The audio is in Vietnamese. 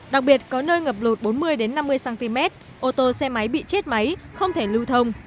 đặc biệt có nơi ngập lụt bốn mươi năm mươi cm ô tô xe máy bị chết máy không thể lưu thông